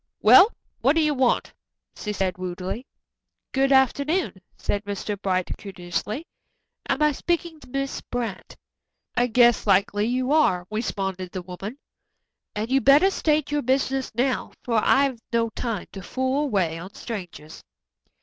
"Well, what do you want?" she said rudely. "Good afternoon," said Mr. Bright courteously. "Am I speaking to Miss Brant?" "I guess likely you are," responded the woman, "and you better state your business now, for I've no time to fool away on strangers."